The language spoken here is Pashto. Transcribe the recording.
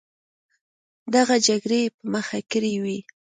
دغه جګړې یې په مخه کړې وې.